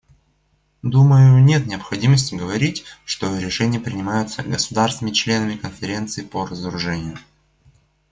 Думаю, нет необходимости говорить, что решения принимаются государствами-членами Конференции по разоружению.